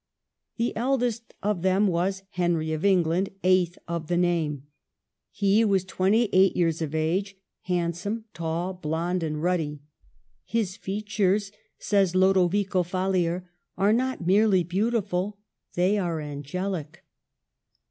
The eldest of them was Henry of England, eighth of the name. He was twenty eight years of age, handsome, tall, blond, and ruddy. " His features," says Lodovico Falier, '* are not merely beautiful — they are angelic."